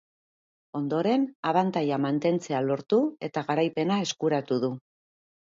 Ondoren, abantaila mantentzea lortu eta garaipena eskuratu du.